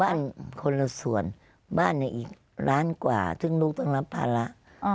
คนละส่วนบ้านเนี่ยอีกล้านกว่าซึ่งลูกต้องรับภาระ